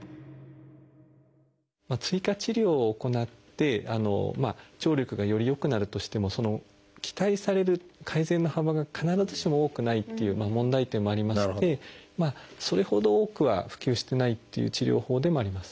追加治療を行って聴力がより良くなるとしても期待される改善の幅が必ずしも多くないっていう問題点もありましてそれほど多くは普及してないっていう治療法でもあります。